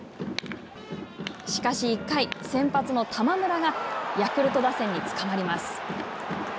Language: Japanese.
しかし１回、先発の玉村がヤクルト打線につかまります。